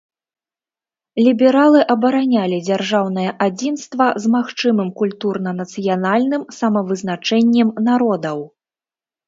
Лібералы абаранялі дзяржаўнае адзінства з магчымым культурна-нацыянальным самавызначэннем народаў.